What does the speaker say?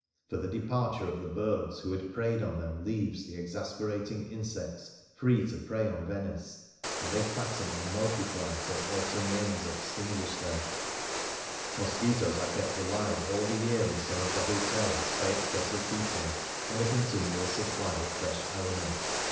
For the departure of the birds who had preyed on them leaves the exasperating insects free to prey on Venice, and they fatten and multiply till autumn rains extinguish them.* But for these pests and the prevalence of the exhausting * Mosquitoes are kept alive all the year in some of the hotels by excessive heating and a continual supply of fresh alimeiit.